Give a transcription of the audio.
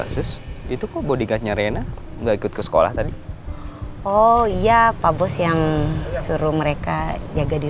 sus itu bodi kacang riana enggak ikut ke sekolah tadi oh iya pak bos yang suruh mereka jaga di